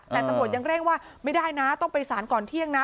แต่ตำรวจยังเร่งว่าไม่ได้นะต้องไปสารก่อนเที่ยงนะ